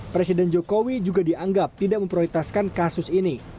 presiden jokowi juga dianggap tidak memprioritaskan kasus ini